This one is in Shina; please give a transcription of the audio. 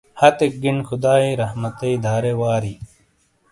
ہتیک گن خدائی رحمتیئ دارے واری۔